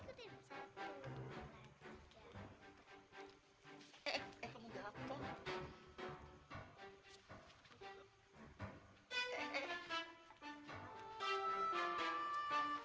dana kamu kami pergi ada satu sebelah tempat